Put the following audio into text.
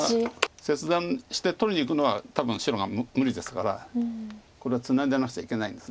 切断して取りにいくのは多分白が無理ですからこれはツナいでなくちゃいけないんです。